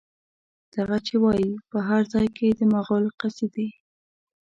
دغه چې وايي، په هر ځای کې د مغول قصيدې